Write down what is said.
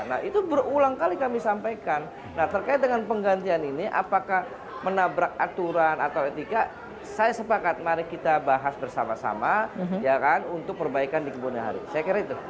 nah itu berulang kali kami sampaikan nah terkait dengan penggantian ini apakah menabrak aturan atau etika saya sepakat mari kita bahas bersama sama ya kan untuk perbaikan di kebun hari saya kira itu